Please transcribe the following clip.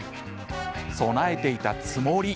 備えていたつもり。